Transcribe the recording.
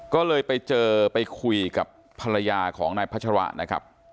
ก็เลยไปเจอไปคุยกับภรรยาของนายพัชระนะครับ